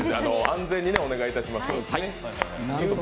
安全にお願いします。